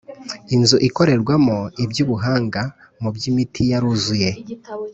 Inzu ikorerwamo iby’ubuhanga mu by’imiti yaruzuye